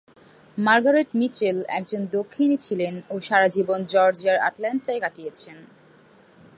Margaret Mitchell একজন দক্ষিণী ছিলেন ও সারাজীবন জর্জিয়ার অ্যাটল্যান্টায় কাটিয়েছেন।